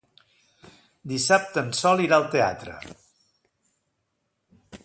Dissabte en Sol irà al teatre.